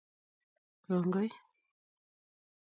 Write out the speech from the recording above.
Kongoi